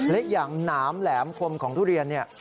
และอย่างหนามแหลมคมของทุเรียนเนี่ย